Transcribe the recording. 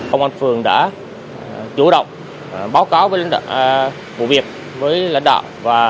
công an phường đã chủ động báo cáo với lãnh đạo bộ việc với lãnh đạo